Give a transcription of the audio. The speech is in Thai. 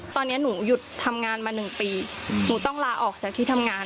ตอนนี้หนูหยุดทำงานมา๑ปีหนูต้องลาออกจากที่ทำงาน